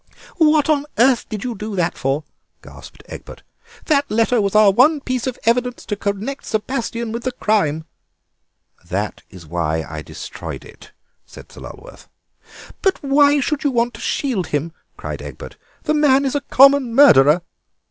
"What on earth did you do that for?" gasped Egbert. "That letter was our one piece of evidence to connect Sebastien with the crime." "That is why I destroyed it," said Sir Lulworth. "But why should you want to shield him?" cried Egbert; "the man is a common murderer."